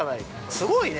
すごいね。